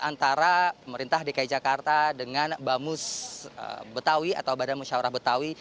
antara pemerintah dki jakarta dengan bamus betawi atau badan musyawarah betawi